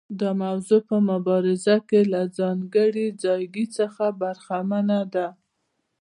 دا موضوع په مبارزه کې له ځانګړي ځایګي څخه برخمنه ده.